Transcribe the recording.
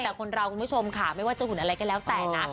แต่คนเราคุณผู้ชมค่ะไม่ว่าจะหุ่นอะไรก็แล้วแต่นะ